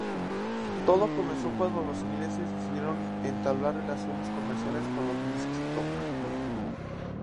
Todo comenzó cuando los ingleses decidieron entablar relaciones comerciales con los misquitos.